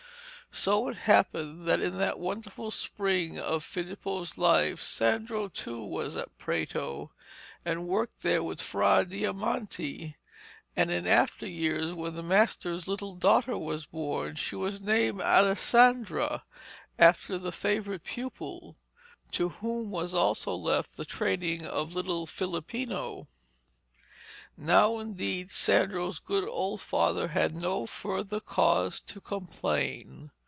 So it happened that, in that wonderful spring of Filippo's life, Sandro too was at Prato, and worked there with Fra Diamante. And in after years when the master's little daughter was born, she was named Alessandra, after the favourite pupil, to whom was also left the training of little Filippino. Now, indeed, Sandros good old father had no further cause to complain.